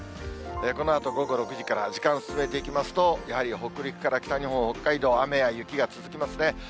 このあと午後６時から、時間進めていきますと、やはり北陸から北日本、北海道、雨や雪が続きますね。